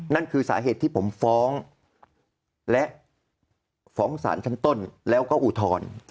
นั่นคือสาเหตุที่ผมฟ้องและฟ้องสารชั้นต้นแล้วก็อุทธรณ์